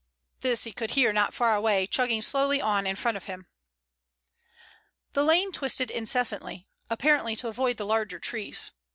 This he could hear not far away, chugging slowly on in front of him. The lane twisted incessantly, apparently to avoid the larger trees.